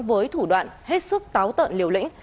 với thủ đoạn hết sức táo tợn liều lĩnh